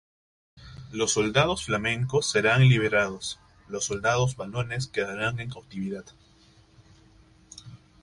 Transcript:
Los soldados flamencos serán liberados; los soldados valones quedarán en cautividad.